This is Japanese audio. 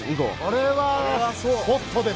これはホットですね。